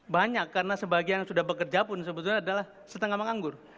banyak karena sebagian yang sudah bekerja pun sebetulnya adalah setengah menganggur